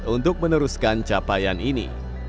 untuk meneruskan capaian ini